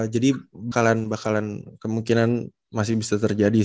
jadi bakalan kemungkinan masih bisa terjadi